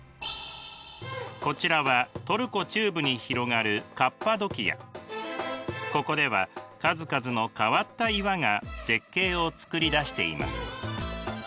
こちらはトルコ中部に広がるここでは数々の変わった岩が絶景をつくりだしています。